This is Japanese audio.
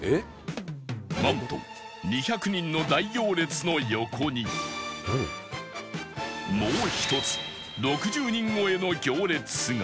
なんと２００人の大行列の横にもう１つ６０人超えの行列が